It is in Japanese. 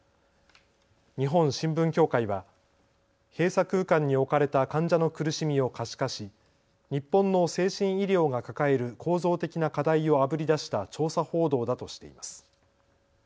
日本新聞協会は閉鎖空間に置かれた患者の苦しみを可視化し、日本の精神医療が抱える構造的な課題をあぶり出した調査報道だとしています。